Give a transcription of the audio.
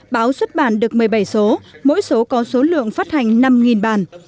báo xuất bản được một mươi bảy số mỗi số có số lượng phát hành năm bản